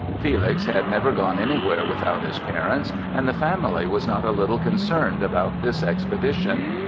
Felix had never gone anywhere without his parents and the family was not a little concerned about this expedition.